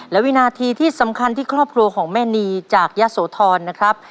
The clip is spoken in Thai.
และวินาทีที่สำคัญที่ครอบครัวของแม่นีจากยะโสธรนะครับ